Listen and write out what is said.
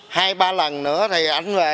hai ba lần nữa thì anh về